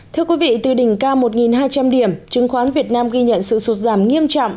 thưa quý vị từ đỉnh cao một hai trăm linh điểm chứng khoán việt nam ghi nhận sự sụt giảm nghiêm trọng